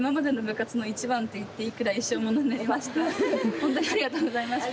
ほんとにありがとうございました。